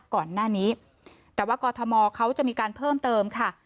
ก่อนหน้านี้แต่ว่ากรทมเขาจะมีการเพิ่มเติมค่ะ